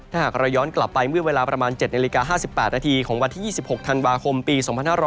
ถ้าหากเราย้อนกลับไปเมื่อเวลาประมาณ๗นาฬิกา๕๘นาทีของวันที่๒๖ธันวาคมปี๒๕๖๐